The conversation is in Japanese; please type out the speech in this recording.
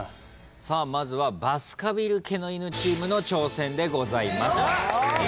さあまずはバスカヴィル家の犬チームの挑戦でございます。